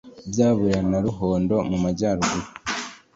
bya burera na ruhondo mu majyaruguru